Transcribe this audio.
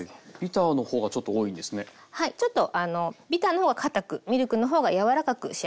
ちょっとビターの方がかたくミルクの方が柔らかく仕上がります。